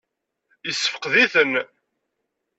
Yessefqed-iten?